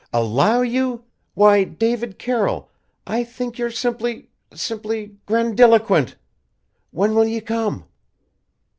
"Allow you? Why, David Carroll I think you're simply simply grandiloquent! When will you come?"